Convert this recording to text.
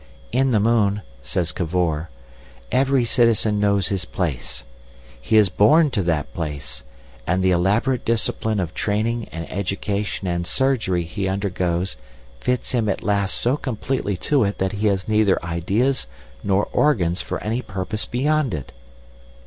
"In the moon," says Cavor, "every citizen knows his place. He is born to that place, and the elaborate discipline of training and education and surgery he undergoes fits him at last so completely to it that he has neither ideas nor organs for any purpose beyond it.